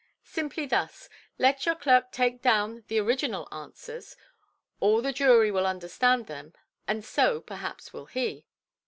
Simply thus—let your clerk take down the original answers. All the jury will understand them, and so, perhaps, will he".